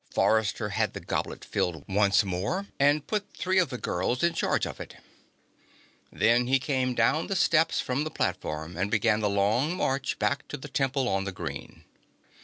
Forrester had the goblet filled once more and put three of the girls in charge of it. Then he came down the steps from the platform and began the long march back to the Temple on the Green.